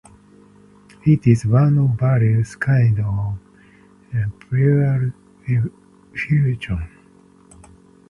It is one of various kinds of pleural effusion.